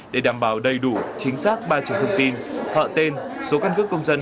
để đảm bảo đầy đủ chính xác ba trường thông tin họ tên số căn cước công dân